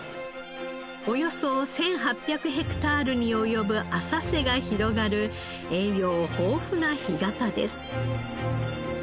およそ１８００ヘクタールに及ぶ浅瀬が広がる栄養豊富な干潟です。